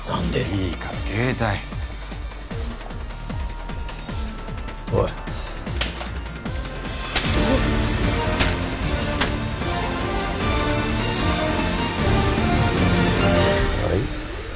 いいから携帯おいおいはい？